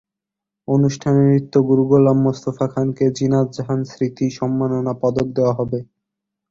অনুষ্ঠানে নৃত্যগুরু গোলাম মোস্তফা খানকে জীনাত জাহান স্মৃতি সম্মাননা পদক দেওয়া হবে।